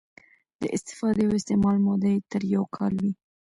د استفادې او استعمال موده یې تر یو کال وي.